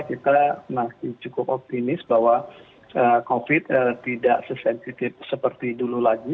kita masih cukup optimis bahwa covid tidak sesensitif seperti dulu lagi